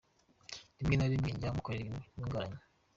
Rimwe na Rimwe njya umukorera ibintu bitunguranye:.